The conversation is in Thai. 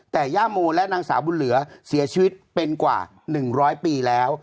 แต่ย่าโมและนางสาวบุญเหลือเสียชีวิตเป็นกว่า๑๐๐ปีแล้ว